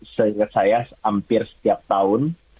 saya hampir setiap tahun